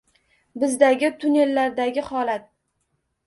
Bizdagi tunnellardagi holat!